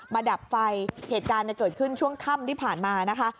ดับไฟเหตุการณ์เกิดขึ้นช่วงค่ำที่ผ่านมานะคะ